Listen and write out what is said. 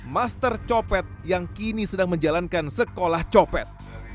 master copet yang kini sedang menjalankan sekolah copet